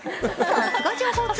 さすが情報通。